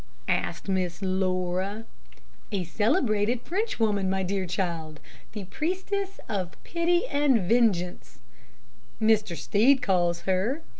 asked Miss Laura. "A celebrated Frenchwoman, my dear child, 'the priestess of pity and vengeance,' Mr. Stead calls her.